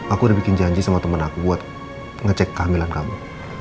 aku udah bikin janji sama temen aku buat ngecek kehamilan kamu